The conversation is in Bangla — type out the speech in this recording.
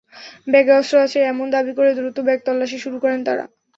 ব্যাগে অস্ত্র আছে—এমন দাবি করে দ্রুত ব্যাগ তল্লাশি শুরু করেন তাঁরা।